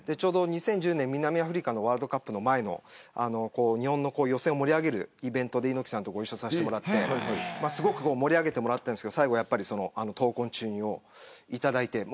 ２０１０年、南アフリカのワールドカップの前の日本の予選を盛り上げるイベントで猪木さんとご一緒させてもらってすごく盛り上げてもらったんですけど最後に闘魂注入をいただいて。